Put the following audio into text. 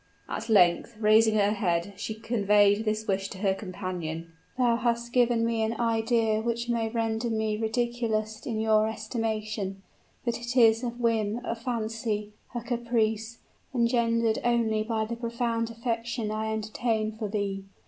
At length, raising her head, she conveyed this wish to her companion: "Thou hast given me an idea which may render me ridiculous in your estimation; but it is a whim, a fancy, a caprice, engendered only by the profound affection I entertain for thee.